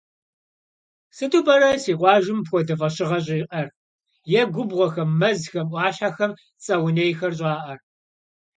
Сыту пӏэрэ си къуажэм мыпхуэдэ фӏэщыгъэ щӏиӏэр е губгъуэхэм, мэзхэм, ӏуащхьэхэм цӏэ унейхэр щӏаӏэр?